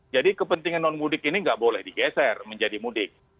jadi kepentingan non mudik ini tidak boleh digeser menjadi mudik